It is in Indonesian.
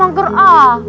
kamu mager ah